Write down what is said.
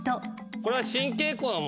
これはね。